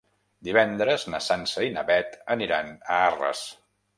Divendres na Sança i na Beth aniran a Arres.